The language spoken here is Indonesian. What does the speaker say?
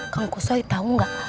kang kusoy tau gak